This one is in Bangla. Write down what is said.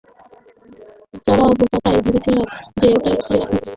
পেঁচারা বোকা তাই ভেবেছিল যে ওরা এটা লুকিয়ে রাখতে পারবে।